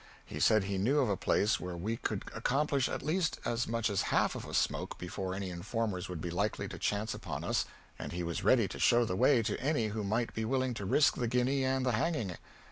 He said he knew of a place where we could accomplish at least as much as half of a smoke before any informers would be likely to chance upon us, and he was ready to show the way to any who might be willing to risk the guinea and the hanging.